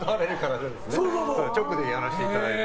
直でやらせていただいて。